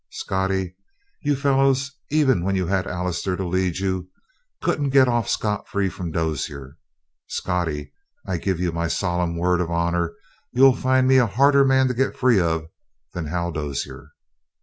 Scottie, you fellows, even when you had Allister to lead you, couldn't get off scot free from Dozier. Scottie, I give you my solemn word of honor, you'll find me a harder man to get free from than Hal Dozier.